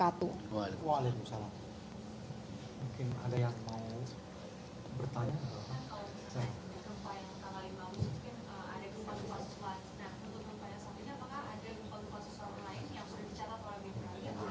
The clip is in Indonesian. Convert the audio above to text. nah untuk tempat yang sempitnya apakah ada gempa gempa susulan lain